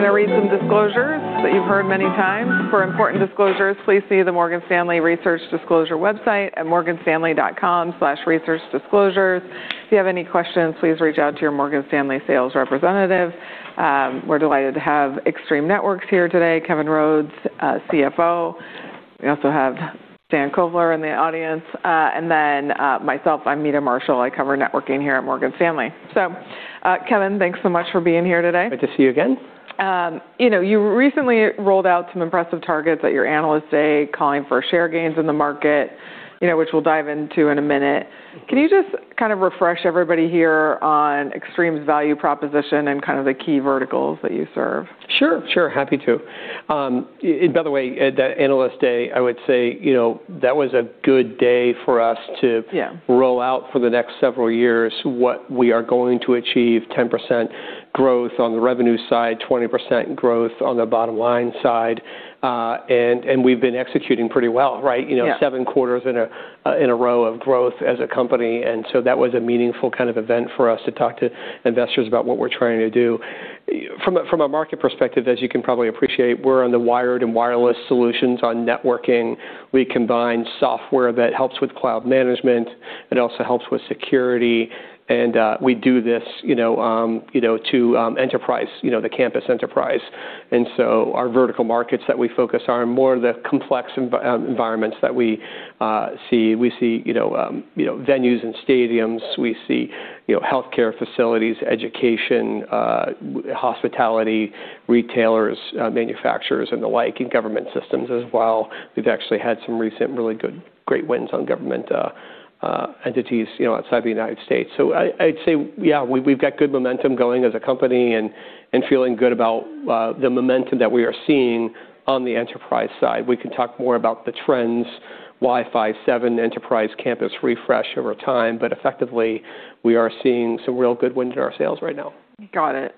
I'm gonna read some disclosures that you've heard many times. For important disclosures, please see the Morgan Stanley Research Disclosure website at morganstanley.com/researchdisclosures. If you have any questions, please reach out to your Morgan Stanley sales representative. We're delighted to have Extreme Networks here today, Kevin Rhodes, CFO. We also have Stan Kovler in the audience, and then myself, I'm Meta Marshall. I cover networking here at Morgan Stanley. Kevin, thanks so much for being here today. Good to see you again. You recently rolled out some impressive targets at your Analyst Day calling for share gains in the market which we'll dive into in a minute. Can you just kind of refresh everybody here on Extreme's value proposition and kind of the key verticals that you serve? Sure, sure. Happy to. By the way, at the Analyst Day, I would say that was a good day for us. Yeah... Roll out for the next several years what we are going to achieve, 10% growth on the revenue side, 20% growth on the bottom line side, and we've been executing pretty well, right? Yeah. Q7 in a row of growth as a company. That was a meaningful kind of event for us to talk to investors about what we're trying to do. From a market perspective, as you can probably appreciate, we're on the wired and wireless solutions on networking. We combine software that helps with cloud management. It also helps with security, and we do to enterprise the campus enterprise. Our vertical markets that we focus on are more the complex environments that we see. We see venues and stadiums. We see healthcare facilities, education, hospitality, retailers, manufacturers and the like, and government systems as well. We've actually had some recent really good, great wins on government entities outside the United States. I'd say, yeah, we've got good momentum going as a company and feeling good about the momentum that we are seeing on the enterprise side. We can talk more about the trends, Wi-Fi 7 enterprise campus refresh over time. Effectively, we are seeing some real good wins in our sales right now. Got it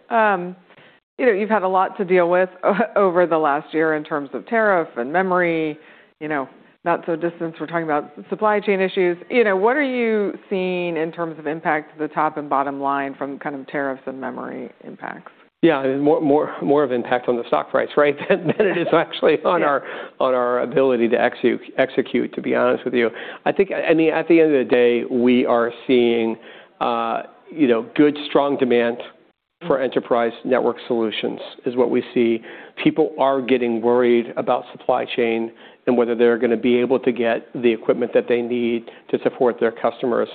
you've had a lot to deal with over the last year in terms of tariff and memory not so distant, we're talking about supply chain issues what are you seeing in terms of impact to the top and bottom line from kind of tariffs and memory impacts? Yeah. I mean, more of impact on the stock price, right? Than it is actually on our- Yeah... on our ability to execute, to be honest with you. I think, I mean, at the end of the day, we are seeing good, strong demand for enterprise network solutions, is what we see. People are getting worried about supply chain and whether they're gonna be able to get the equipment that they need to support their customers.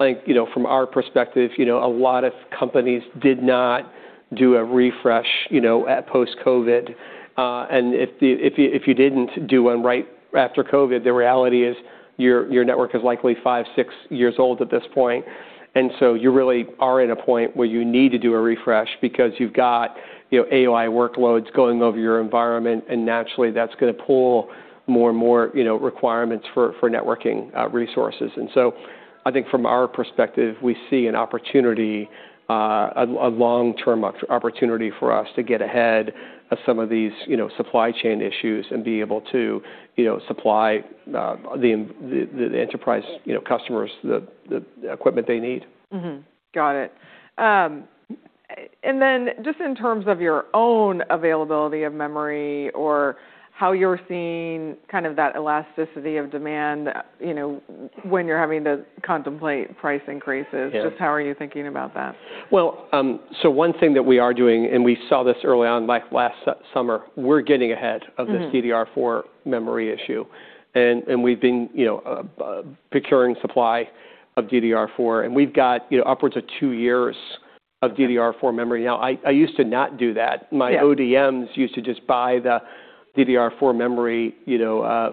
I think from our perspective a lot of companies did not do a refresh at post-COVID. If you didn't do one right after COVID, the reality is your network is likely five, six years old at this point, so you really are at a point where you need to do a refresh because you've got AI workloads going over your environment, naturally that's gonna pull more and more requirements for networking resources. I think from our perspective, we see an opportunity, a long-term opportunity for us to get ahead of some of these supply chain issues and be able to supply the enterprise customers, the equipment they need. Mm-hmm. Got it. Just in terms of your own availability of memory or how you're seeing kind of that elasticity of demand when you're having to contemplate price increases... Yes just how are you thinking about that? Well, one thing that we are doing, and we saw this early on, like last summer, we're getting ahead of this. Mm-hmm... DDR4 memory issue, and we've been procuring supply of DDR4, and we've got upwards of two years of DDR4 memory now. I used to not do that. Yeah. My ODM used to just buy the DDR4 memory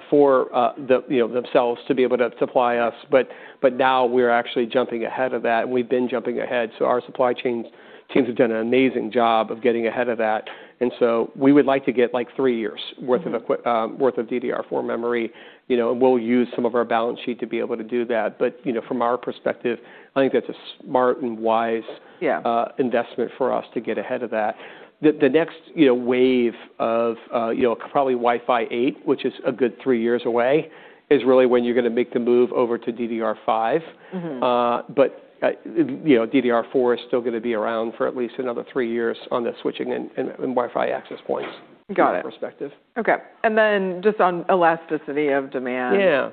for, the themselves to be able to supply us. But now we're actually jumping ahead of that. We've been jumping ahead. Our supply chains teams have done an amazing job of getting ahead of that. We would like to get, like, three years worth of DDR4 memory we'll use some of our balance sheet to be able to do that from our perspective, I think that's a smart and wise-. Yeah Investment for us to get ahead of that. The next wave of probably Wi-Fi 8, which is a good three years away, is really when you're gonna make the move over to DDR5. Mm-hmm. DDR4 is still gonna be around for at least another three years on the switching and Wi-Fi access points. Got it. from that perspective. Okay. Just on elasticity of demand. yeah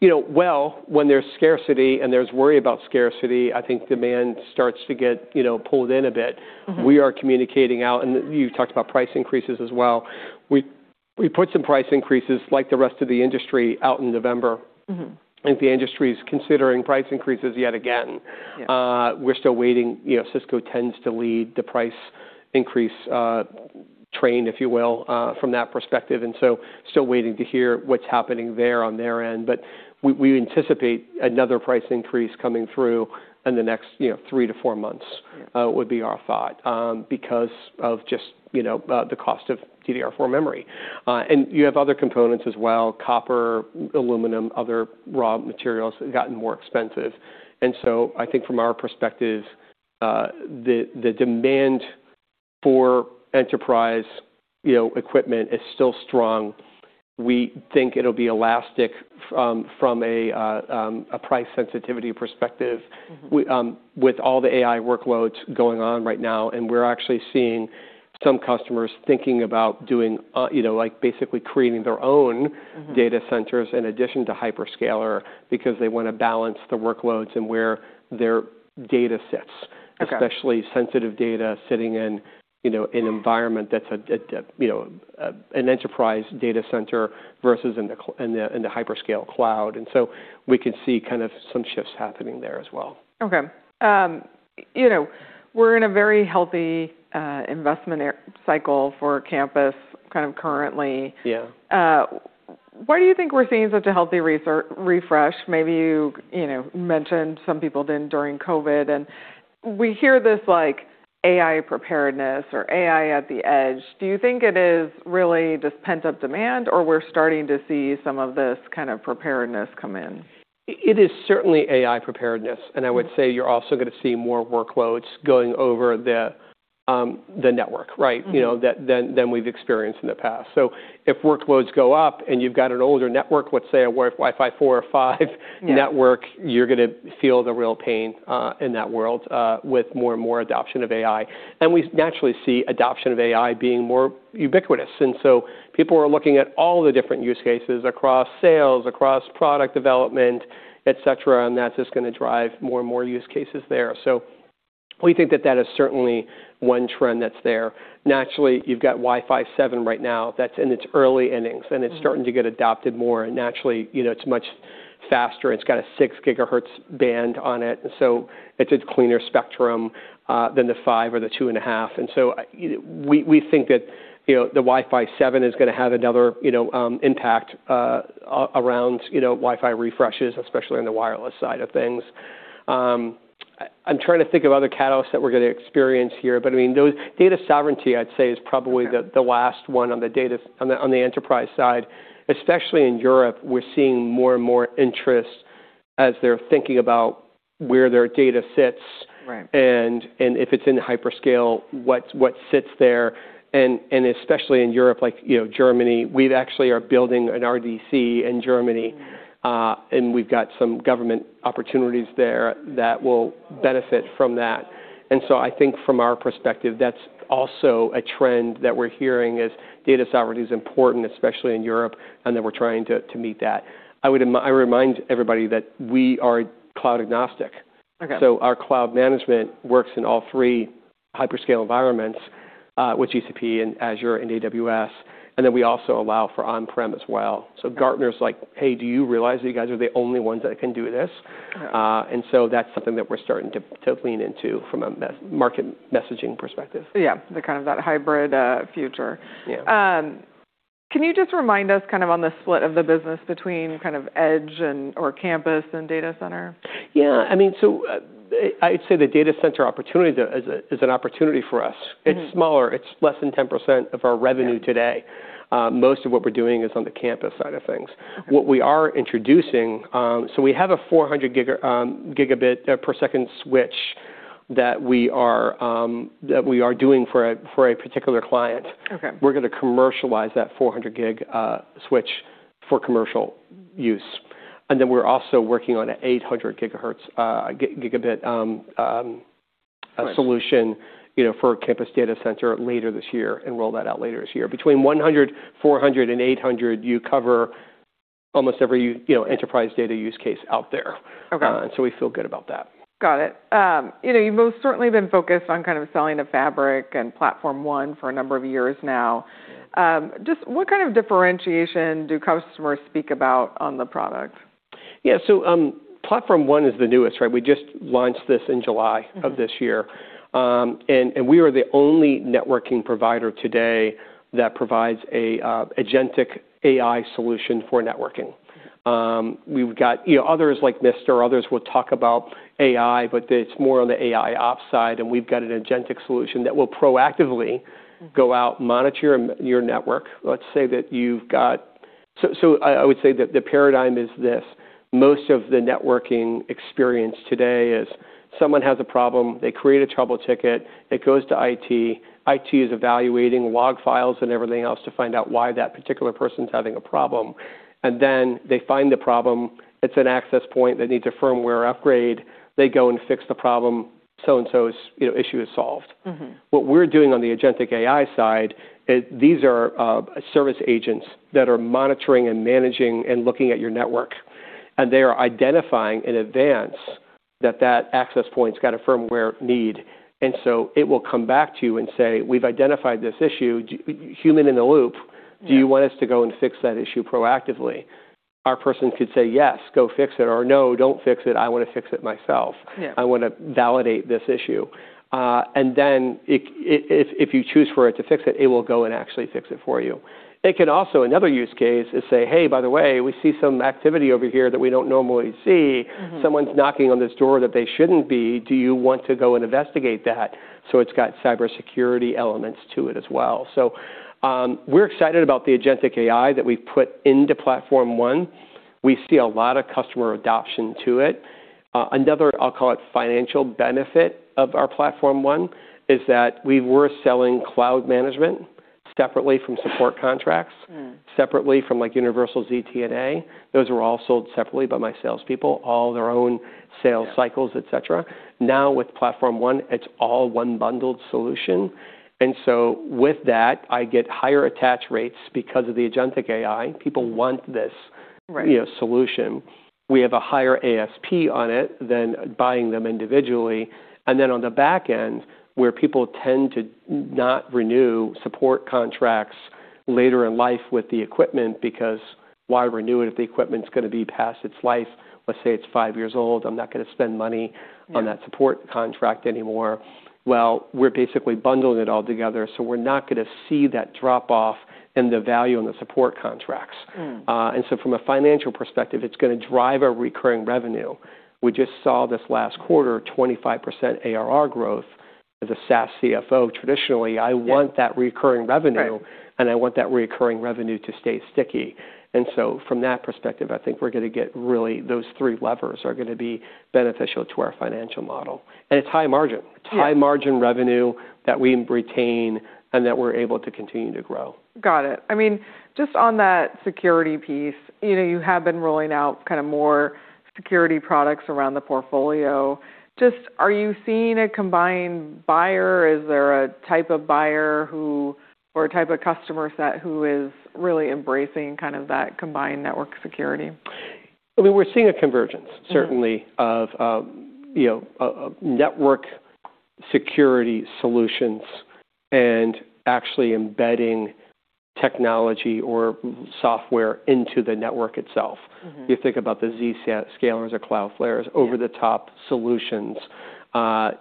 well, when there's scarcity and there's worry about scarcity, I think demand starts to get pulled in a bit. Mm-hmm. We are communicating out. You talked about price increases as well. We put some price increases like the rest of the industry out in November. Mm-hmm. I think the industry is considering price increases yet again. Yeah. We're still waiting Cisco tends to lead the price increase train, if you will, from that perspective, and so still waiting to hear what's happening there on their end. We anticipate another price increase coming through in the next 3 to 4 months. Yeah Would be our thought, because of just the cost of DDR4 memory. You have other components as well, copper, aluminum, other raw materials have gotten more expensive. I think from our perspective, the demand for enterprise equipment is still strong. We think it'll be elastic from a price sensitivity perspective. Mm-hmm... With all the AI workloads going on right now, and we're actually seeing some customers thinking about doing like, basically creating their own... Mm-hmm... Data centers in addition to hyperscaler because they wanna balance the workloads and where their data sits. Okay. Especially sensitive data sitting in an environment that's a, that an enterprise data center versus in the in the, in the hyperscale cloud. We could see kind of some shifts happening there as well. Okay we're in a very healthy investment cycle for campus kind of currently. Yeah. Why do you think we're seeing such a healthy refresh? Maybe, mentioned some people didn't during COVID, and we hear this, like, AI preparedness or AI at the edge. Do you think it is really just pent-up demand, or we're starting to see some of this kind of preparedness come in? It is certainly AI preparedness, and I would say you're also gonna see more workloads going over the network, right? Mm-hmm. That, than we've experienced in the past. If workloads go up and you've got an older network with, say, a Wi-Fi 4 or five network. Yeah... You're gonna feel the real pain in that world with more and more adoption of AI. We naturally see adoption of AI being more ubiquitous. People are looking at all the different use cases across sales, across product development, et cetera, and that's just gonna drive more and more use cases there. We think that that is certainly one trend that's there. You've got Wi-Fi 7 right now that's in its early innings- Mm-hmm... And it's starting to get adopted more. naturally it's much faster. It's got a 6 GHz band on it, and so it's a cleaner spectrum than the five or the two and a half we think that the Wi-Fi 7 is gonna have another impact around Wi-Fi refreshes, especially on the wireless side of things. I'm trying to think of other catalysts that we're gonna experience here, but, I mean, those... Data sovereignty, I'd say, is probably- Okay... The last one on the data, on the enterprise side. Especially in Europe, we're seeing more and more interest as they're thinking about where their data sits. Right. If it's in hyperscale, what sits there. Especially in Europe, like Germany, we've actually are building an RDC in Germany. Yeah. We've got some government opportunities there that will benefit from that. I think from our perspective, that's also a trend that we're hearing is data sovereignty is important, especially in Europe, and that we're trying to meet that. I would remind everybody that we are cloud agnostic. Okay. Our cloud management works in all 3 hyperscale environments, with GCP and Azure and AWS, and then we also allow for on-prem as well. Gartner's like, "Hey, do you realize that you guys are the only ones that can do this? Right. That's something that we're starting to lean into from a market messaging perspective. Yeah, the kind of that hybrid, future. Yeah. Can you just remind us kind of on the split of the business between kind of edge and/or campus and data center? Yeah, I mean, I'd say the data center opportunity is an opportunity for us. Mm-hmm. It's smaller. It's less than 10% of our revenue today. Yeah. Most of what we're doing is on the campus side of things. Okay. What we are introducing. We have a 400 gigabit per second switch that we are doing for a particular client. Okay. We're gonna commercialize that 400 gig switch for commercial use, and then we're also working on an 800 gigabit. Right... Solution for a campus data center later this year and roll that out later this year. Between 100G, 400G, and 800 Gigabit, you cover almost every. Yeah enterprise data use case out there. Okay. We feel good about that. Got it you've most certainly been focused on kind of selling the fabric and Platform ONE for a number of years now. just what kind of differentiation do customers speak about on the product? Yeah. Platform ONE is the newest, right? We just launched this in July- Mm-hmm... Of this year. We are the only networking provider today that provides a Agentic AI solution for networking. We've got others like Mist or others will talk about AI, but it's more on the AIOps side, and we've got an Agentic solution that will proactively. Mm-hmm... Go out, monitor your network. Let's say that you've got. I would say the paradigm is this: most of the networking experience today is someone has a problem, they create a trouble ticket, it goes to IT is evaluating log files and everything else to find out why that particular person's having a problem. They find the problem. It's an access point that needs a firmware upgrade. They go and fix the problem. So and so's issue is solved. Mm-hmm. What we're doing on the Agentic AI side is these are service agents that are monitoring and managing and looking at your network, they are identifying in advance that that access point's got a firmware need. It will come back to you and say, "We've identified this issue. human in the loop- Yeah... Do you want us to go and fix that issue proactively?" Our person could say, "Yes, go fix it," or, "No, don't fix it. I want to fix it myself. Yeah. I want to validate this issue." It, if you choose for it to fix it will go and actually fix it for you. It can also, another use case, is say, "Hey, by the way, we see some activity over here that we don't normally see. Mm-hmm. Someone's knocking on this door that they shouldn't be. Do you want to go and investigate that? It's got cybersecurity elements to it as well. We're excited about the Agentic AI that we've put into Platform ONE. We see a lot of customer adoption to it. Another, I'll call it financial benefit of our Platform ONE is that we were selling cloud management separately from support contracts- Mm. Separately from, like, Universal ZTNA. Those were all sold separately by my salespeople, all their own sales cycles. Yeah. et cetera. Now with Platform ONE, it's all one bundled solution. With that, I get higher attach rates because of the Agentic AI. Mm. People want this- Right.. Solution. We have a higher ASP on it than buying them individually. On the back end, where people tend to not renew support contracts later in life with the equipment because why renew it if the equipment's gonna be past its life? Let's say it's five years old, I'm not gonna spend money. Yeah... On that support contract anymore. We're basically bundling it all together, so we're not gonna see that drop-off in the value in the support contracts. Mm. From a financial perspective, it's gonna drive our recurring revenue. We just saw this last quarter a 25% ARR growth. As a SaaS CFO. Yeah I want that recurring revenue. Right... And I want that recurring revenue to stay sticky. From that perspective, I think we're gonna get really those three levers are gonna be beneficial to our financial model. It's high margin. Yeah. It's high margin revenue that we retain and that we're able to continue to grow. Got it. I mean, just on that security piece you have been rolling out kind of more security products around the portfolio. Just are you seeing a combined buyer? Is there a type of buyer who, or a type of customer set who is really embracing kind of that combined network security? I mean, we're seeing a convergence. Mm-hmm... Certainly of network security solutions and actually embedding technology or software into the network itself. Mm-hmm. You think about the Zscaler or Cloudflare. Yeah... Over the top solutions.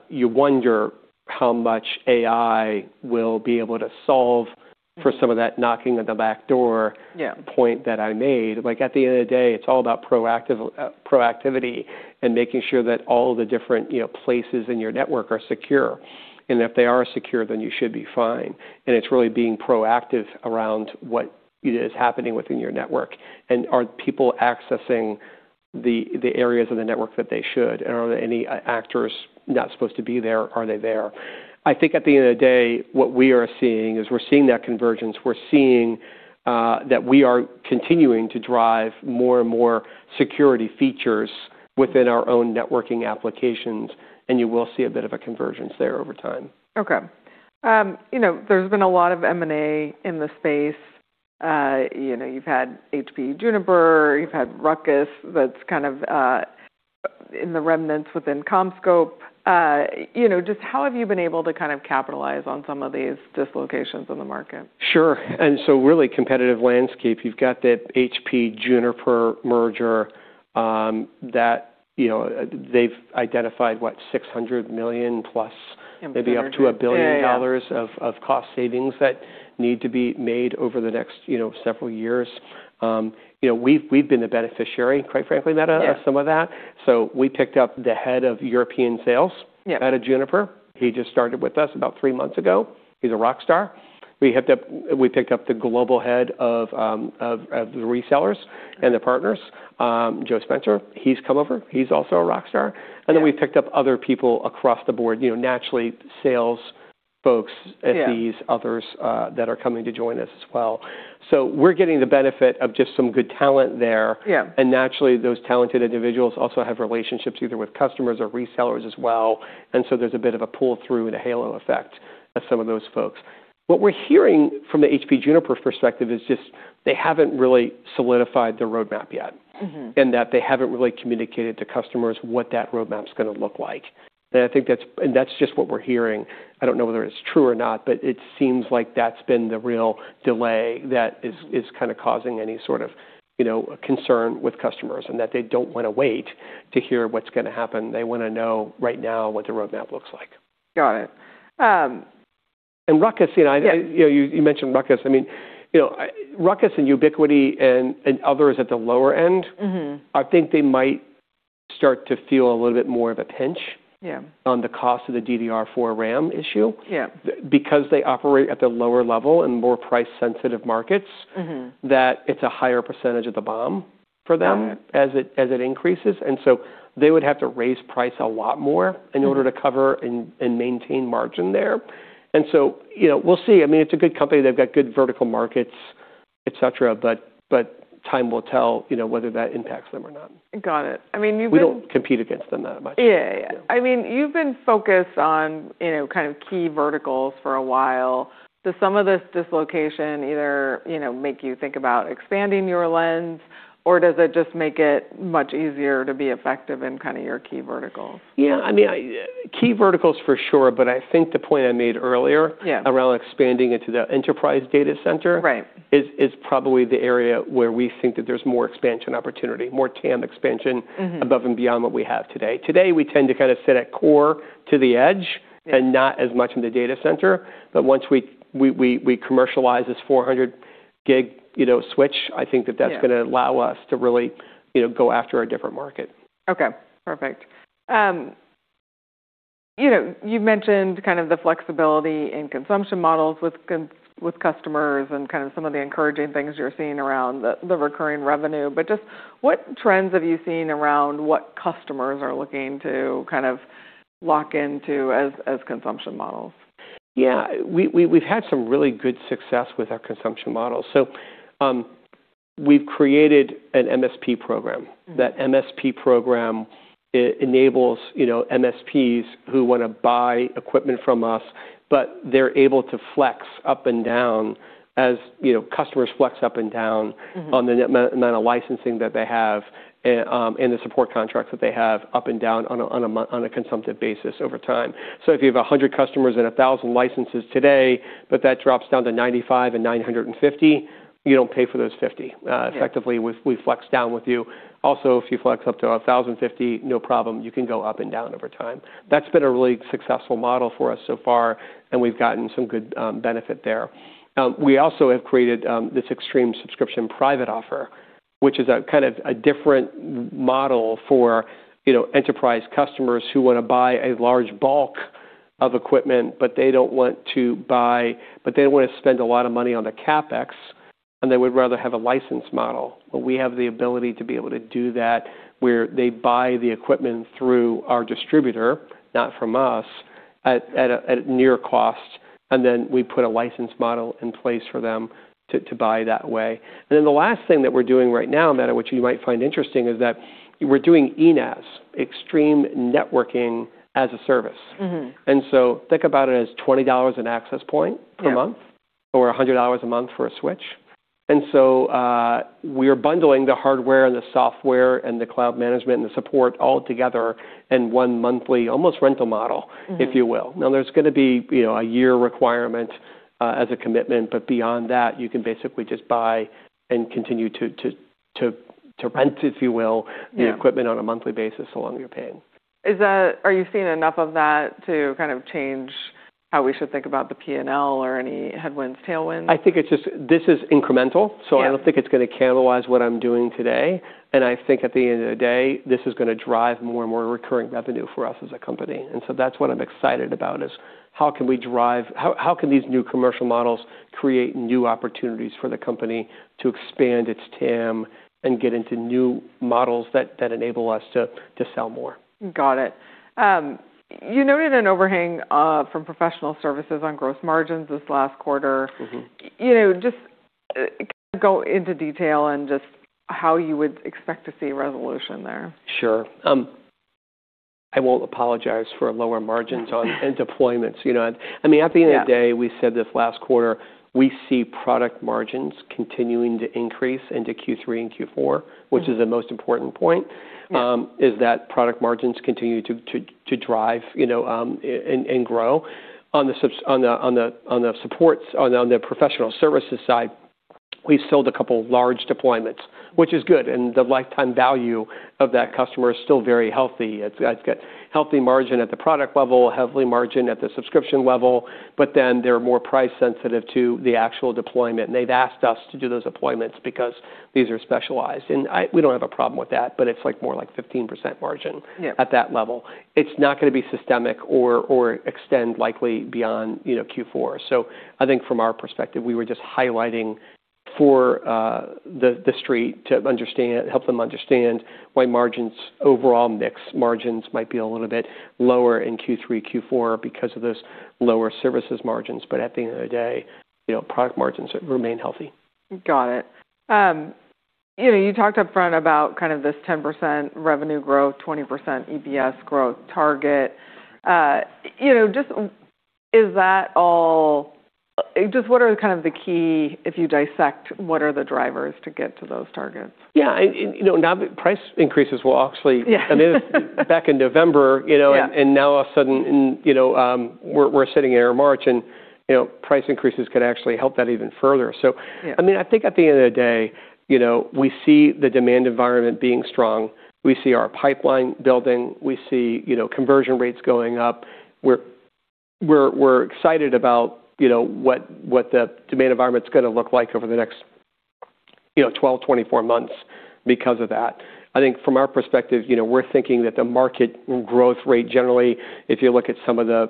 You wonder how much AI will be able to solve for some of that knocking at the back door- Yeah... Point that I made. Like, at the end of the day, it's all about proactive proactivity and making sure that all the different places in your network are secure, and if they are secure, then you should be fine. It's really being proactive around what is happening within your network. Are people accessing the areas of the network that they should? Are there any actors not supposed to be there, are they there? I think at the end of the day, what we are seeing is we're seeing that convergence, we're seeing that we are continuing to drive more and more security features within our own networking applications, and you will see a bit of a convergence there over time. Okay there's been a lot of M&A in the space you've had HP Juniper, you've had RUCKUS that's kind of, in the remnants within CommScope just how have you been able to kind of capitalize on some of these dislocations in the market? Sure. Really competitive landscape. You've got the HP Juniper merger, that they've identified, what? $600 million plus- Synergy. Maybe up to $1 billion. Yeah, yeah. Of cost savings that need to be made over the next several years we've been the beneficiary, quite frankly, Meta. Yeah... Some of that. We picked up the head of European sales-. Yeah Out of Juniper. He just started with us about three months ago. He's a rock star. We picked up the global head of the resellers- Yeah The partners, Joe Spencer. He's come over. He's also a rock star. Yeah. We've picked up other people across the board naturally, sales folks-. Yeah SEs others that are coming to join us as well. We're getting the benefit of just some good talent there. Yeah. Naturally, those talented individuals also have relationships either with customers or resellers as well, and so there's a bit of a pull-through and a halo effect of some of those folks. What we're hearing from the HP Juniper perspective is just they haven't really solidified their roadmap yet. Mm-hmm. That they haven't really communicated to customers what that roadmap's gonna look like. I think that's just what we're hearing. I don't know whether it's true or not, but it seems like that's been the real delay that is kind of causing any sort of concern with customers, and that they don't wanna wait to hear what's gonna happen. They wanna know right now what the roadmap looks like. Got it. RUCKUS,. Yeah. You mentioned RUCKUS. I mean RUCKUS and Ubiquiti and others at the lower end- Mm-hmm I think they might start to feel a little bit more of a pinch. Yeah on the cost of the DDR4 RAM issue. Yeah. Because they operate at the lower level and more price sensitive markets. Mm-hmm... That it's a higher percentage of the BOM for them. Got it. As it increases. They would have to raise price a lot more. Mm... In order to cover and maintain margin there we'll see. I mean, it's a good company. They've got good vertical markets, et cetera. Time will tell whether that impacts them or not. Got it. I mean, you've been- We don't compete against them that much. Yeah, yeah. Yeah. I mean, you've been focused on kind of key verticals for a while. Does some of this dislocation either make you think about expanding your lens, or does it just make it much easier to be effective in kind of your key verticals? Yeah, I mean, key verticals for sure, but I think the point I made earlier. Yeah... Around expanding into the enterprise data center Right Is probably the area where we think that there's more expansion opportunity, more TAM expansion. Mm-hmm... Above and beyond what we have today. Today, we tend to kind of sit at core to the edge- Yeah... And not as much in the data center. Once we commercialize this 400 gig switch, I think that that's. Yeah... Gonna allow us to really go after a different market. Okay. Perfect. You've mentioned kind of the flexibility in consumption models with customers and kind of some of the encouraging things you're seeing around the recurring revenue. Just what trends have you seen around what customers are looking to kind of lock into as consumption models? Yeah. We've had some really good success with our consumption models. We've created an MSP program. Mm-hmm. That MSP program enables MSPs who wanna buy equipment from us, but they're able to flex up and down as customers flex up and down. Mm-hmm... On the licensing that they have, and the support contracts that they have up and down on a consumptive basis over time. If you have 100 customers and 1,000 licenses today, but that drops down to 95 and 950, you don't pay for those 50. Yeah... Effectively, we flex down with you. If you flex up to 1,050, no problem, you can go up and down over time. That's been a really successful model for us so far, and we've gotten some good benefit there. We also have created this Extreme subscription private offer, which is a kind of a different model for enterprise customers who wanna buy a large bulk of equipment, but they don't wanna spend a lot of money on the CapEx, and they would rather have a license model. We have the ability to be able to do that, where they buy the equipment through our distributor, not from us, at near cost, and then we put a license model in place for them to buy that way. The last thing that we're doing right now, Amanda, which you might find interesting, is that we're doing ENaaS, Extreme Networking as a Service. Mm-hmm. Think about it as $20 an access point per month. Yeah... Or $100 a month for a switch. We are bundling the hardware and the software and the cloud management and the support all together in one monthly, almost rental model. Mm-hmm... If you will. There's gonna be a year requirement, as a commitment. Beyond that, you can basically just buy and continue to rent, if you will. Yeah the equipment on a monthly basis as long as you're paying. Are you seeing enough of that to kind of change how we should think about the P&L or any headwinds, tailwinds? I think this is incremental. Yeah. I don't think it's gonna cannibalize what I'm doing today, and I think at the end of the day, this is gonna drive more and more recurring revenue for us as a company. That's what I'm excited about, is how can we drive, how can these new commercial models create new opportunities for the company to expand its TAM and get into new models that enable us to sell more? Got it. You noted an overhang from professional services on gross margins this last quarter. Mm-hmm. Just go into detail on just how you would expect to see resolution there. Sure. I won't apologize for lower margins and deployments,. I mean, at the end of the day. Yeah we said this last quarter, we see product margins continuing to increase into Q3 and Q4. Mm-hmm... Which is the most important point. Yeah... Is that product margins continue to drive and grow. On the professional services side, we've sold a couple large deployments, which is good, and the lifetime value of that customer is still very healthy. It's got healthy margin at the product level, healthy margin at the subscription level, but then they're more price sensitive to the actual deployment, and they've asked us to do those deployments because these are specialized. We don't have a problem with that, but it's like more like 15% margin- Yeah... At that level. It's not gonna be systemic or extend likely beyond Q4. I think from our perspective, we were just highlighting for the street to help them understand why margins, overall mix margins might be a little bit lower in Q3, Q4 because of those lower services margins. At the end of the day product margins remain healthy. Got it you talked up front about kind of this 10% revenue growth, 20% EPS growth target just what are kind of the key, if you dissect, what are the drivers to get to those targets? Yeah now the price increases will actually- Yeah. I mean, back in November,. Yeah Now all of a sudden we're sitting here in March and price increases could actually help that even further. Yeah I mean, I think at the end of the day we see the demand environment being strong. We see our pipeline building. We see conversion rates going up. We're excited about what the demand environment's gonna look like over the next 12, 24 months because of that. I think from our perspective we're thinking that the market growth rate generally, if you look at some of the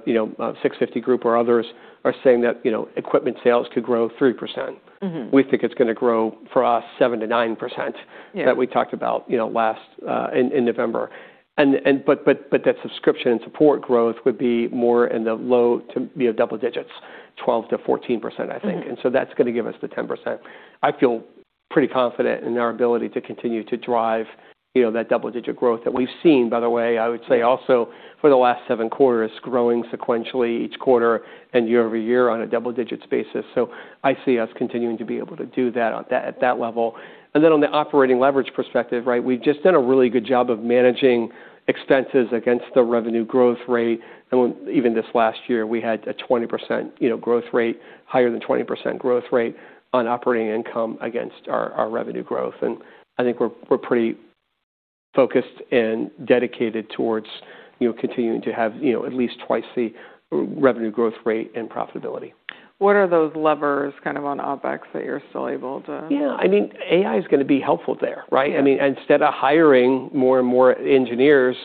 650 Group or others, are saying that equipment sales could grow 3%. Mm-hmm. We think it's gonna grow for us 7%-9%. Yeah... That we talked about last, in November. That subscription and support growth would be more in the low to double digits, 12%-14%, I think. Mm-hmm. That's going to give us the 10%. I feel pretty confident in our ability to continue to drive that double-digit growth that we've seen, by the way, I would say also for the last Q7, growing sequentially each quarter and year-over-year on a double-digit basis. I see us continuing to be able to do that at that level. On the operating leverage perspective, right, we've just done a really good job of managing expenses against the revenue growth rate. Even this last year, we had a 20% growth rate, higher than 20% growth rate on operating income against our revenue growth. I think we're pretty focused and dedicated towards continuing to have at least twice the revenue growth rate and profitability. What are those levers kind of on OpEx that you're still able to- Yeah, I mean, AI is gonna be helpful there, right? Yeah. I mean, instead of hiring more and more engineers,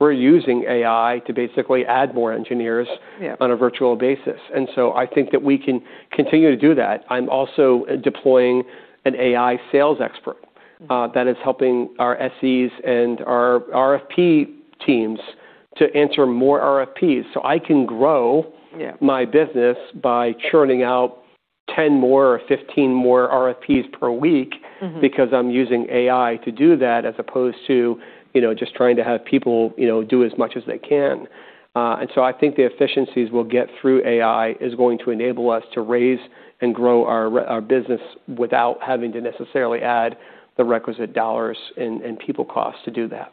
we're using AI to basically add more engineers. Yeah On a virtual basis. I think that we can continue to do that. I'm also deploying an AI sales expert. Mm-hmm... That is helping our SEs and our RFP teams to answer more RFPs. I can grow- Yeah... My business by churning out 10 more or 15 more RFPs per week. Mm-hmm... Because I'm using AI to do that as opposed to just trying to have people do as much as they can. I think the efficiencies we'll get through AI is going to enable us to raise and grow our business without having to necessarily add the requisite dollars and people costs to do that.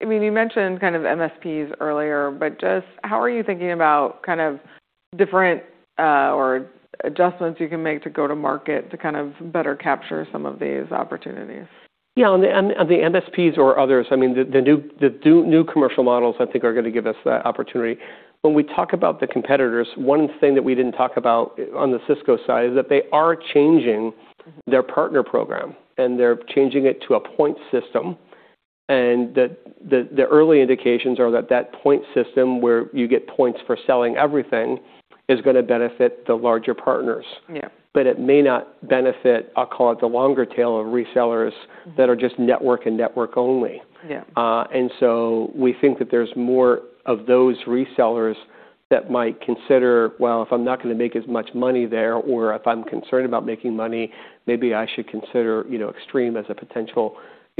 I mean, you mentioned kind of MSPs earlier, but just how are you thinking about kind of different, or adjustments you can make to go to market to kind of better capture some of these opportunities? Yeah, on the MSPs or others, I mean, the new commercial models I think are gonna give us that opportunity. When we talk about the competitors, one thing that we didn't talk about on the Cisco side is that they are changing their partner program, and they're changing it to a point system, and that the early indications are that that point system where you get points for selling everything is gonna benefit the larger partners. Yeah. It may not benefit, I'll call it, the longer tail of resellers. Mm-hmm... That are just network and network only. Yeah. We think that there's more of those resellers that might consider, well, if I'm not gonna make as much money there, or if I'm concerned about making money, maybe I should consider Extreme as a potential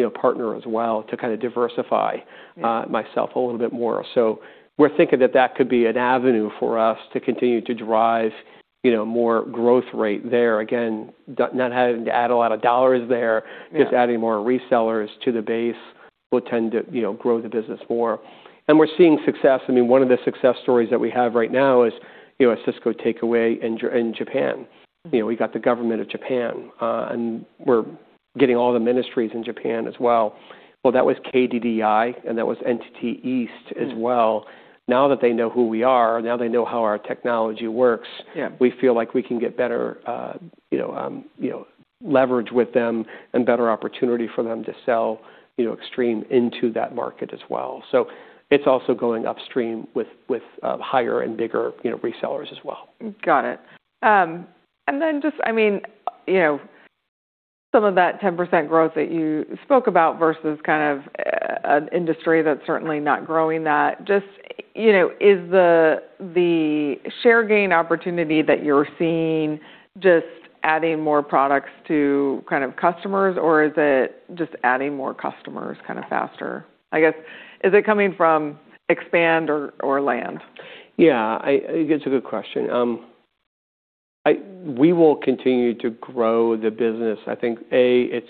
partner as well to kind of diversify. Yeah... myself a little bit more. We're thinking that that could be an avenue for us to continue to drive more growth rate there. Again, not having to add a lot of dollars there. Yeah. Just adding more resellers to the base will tend to grow the business more. We're seeing success. I mean, one of the success stories that we have right now is a Cisco takeaway in Japan. We got the government of Japan, and we're getting all the ministries in Japan as well. That was KDDI, and that was NTT East as well. Mm. Now that they know who we are, now they know how our technology works. Yeah... we feel like we can get leverage with them and better opportunity for them to sell Extreme into that market as well. It's also going upstream with, higher and bigger resellers as well. Got it. Just, I mean some of that 10% growth that you spoke about versus kind of an industry that's certainly not growing that, just is the share gain opportunity that you're seeing just adding more products to kind of customers, or is it just adding more customers kind of faster? I guess, is it coming from expand or land? Yeah. I think it's a good question. We will continue to grow the business. I think, A, it's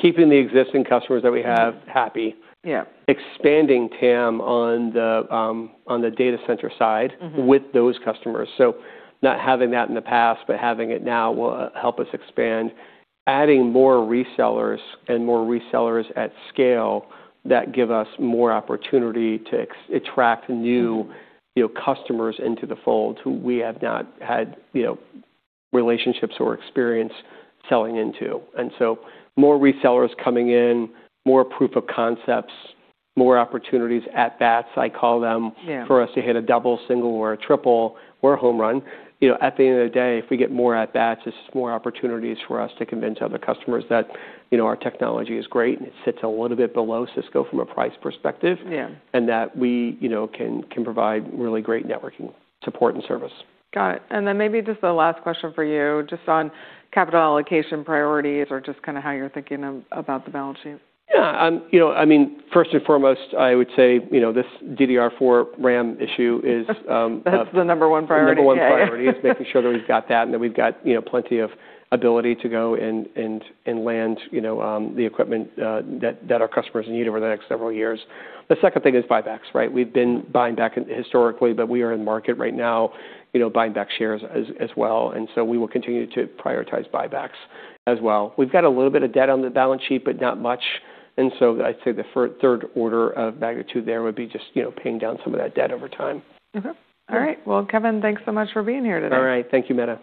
keeping the existing customers that we have happy. Yeah. Expanding TAM on the data center side. Mm-hmm with those customers. Not having that in the past, but having it now will help us expand. Adding more resellers and more resellers at scale, that give us more opportunity to attract new. Mm-hmm.. Customers into the fold who we have not had relationships or experience selling into. More resellers coming in, more proof of concepts, more opportunities, at-bats, I call them. Yeah... For us to hit a double, single or a triple or a home run at the end of the day, if we get more at-bats, it's just more opportunities for us to convince other customers that our technology is great, and it sits a little bit below Cisco from a price perspective. Yeah. That we can provide really great networking support and service. Got it. Then maybe just the last question for you, just on capital allocation priorities or just kind of how you're thinking about the balance sheet. Yeah I mean, first and foremost, I would say this DDR4 RAM issue is, That's the number one priority.... The number 1 priority is making sure that we've got that and that we've got plenty of ability to go and land the equipment that our customers need over the next several years. The second thing is buybacks, right? We've been buying back historically, but we are in market right now buying back shares as well. We will continue to prioritize buybacks as well. We've got a little bit of debt on the balance sheet, but not much. I'd say the third order of magnitude there would be just paying down some of that debt over time. Mm-hmm. All right. Well, Kevin, thanks so much for being here today. All right. Thank you, Meta.